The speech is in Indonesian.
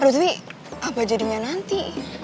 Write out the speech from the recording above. aduh tapi apa jadinya nanti